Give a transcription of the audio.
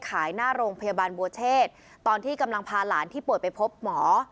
หน้าโรงพยาบาลบัวเชษตอนที่กำลังพาหลานที่ป่วยไปพบหมอ